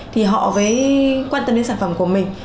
thì họ mới quan tâm đến sản phẩm của mình